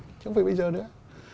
chứ không phải bây giờ nữa